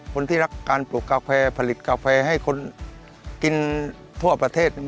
คนที่รักการปลูกกาแฟผลิตกาแฟให้คนกินทั่วประเทศ